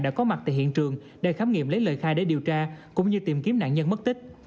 đã có mặt tại hiện trường để khám nghiệm lấy lời khai để điều tra cũng như tìm kiếm nạn nhân mất tích